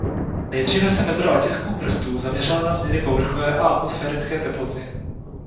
Nejdříve se metoda otisků prstů zaměřila na změny povrchové a atmosférické teploty.